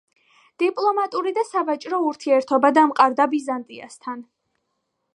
დიპლომატიური და სავაჭრო ურთიერთობა დაამყარა ბიზანტიასთან.